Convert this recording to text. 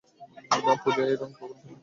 না, পূজা এই রং কখনই পরবে না।